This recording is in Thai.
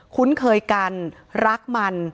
คุ้นเคยกันรักมัน